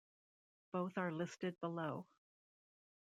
Both are listed below.